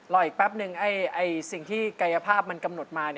อีกแป๊บนึงสิ่งที่กายภาพมันกำหนดมา